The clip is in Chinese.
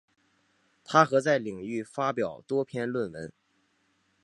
她和在领域发表多篇论文。